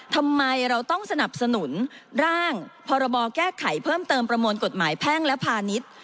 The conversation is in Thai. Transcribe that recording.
ทำไมเราต้องสนับสนุนร่างพรบแก้ไขเพิ่มเติมประมวลกฎหมายแพ่งและพาณิชย์